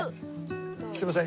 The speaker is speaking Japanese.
すみません。